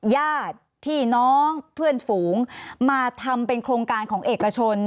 ญาติพี่น้องเพื่อนฝูงมาทำเป็นโครงการของเอกชน